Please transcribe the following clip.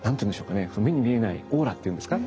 目に見えないオーラっていうんですか。